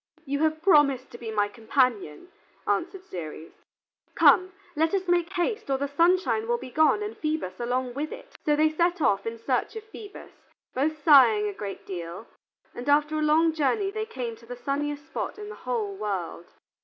"You have promised to be my companion," answered Ceres. "Come, let us make haste, or the sunshine will be gone and Phoebus along with it." So they set off in search of Phoebus, both sighing a great deal, and after a long journey they came to the sunniest spot in the whole world.